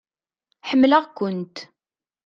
Ḥemmleɣ-kent.